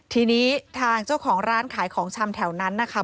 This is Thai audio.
ทีนี้ทางเจ้าของร้านขายของชำแถวนั้นนะคะ